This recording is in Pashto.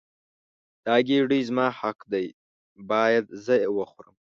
دا ګیډۍ زما حق دی باید زه یې وخورم.